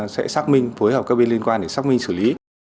sẽ xác minh phối hợp các bên liên quan để xác minh xử lý